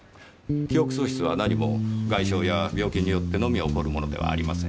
記憶喪失は何も外傷や病気によってのみ起こるものではありません。